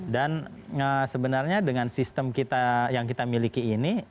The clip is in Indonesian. dan sebenarnya dengan sistem yang kita miliki ini